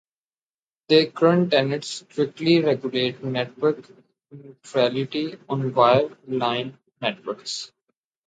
Their current tenets strictly regulate network neutrality on wire line networks.